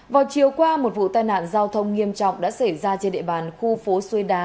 vào chiều qua một vụ tai nạn giao thông nghiêm trọng đã xảy ra trên địa bàn khu phố xuôi đá